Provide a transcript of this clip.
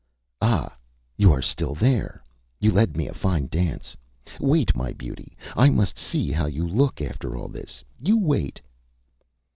Â ÂAh! You are still there. You led me a fine dance. Wait, my beauty, I must see how you look after all this. You wait.